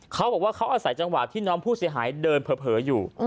เขาบอกว่าเขาอาศัยจังหวะที่น้องผู้เสียหายเดินเผลออยู่